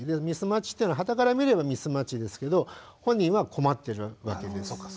ミスマッチっていうのははたから見ればミスマッチですけど本人は困ってるわけです。